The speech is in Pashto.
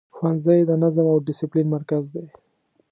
ښوونځی د نظم او دسپلین مرکز دی.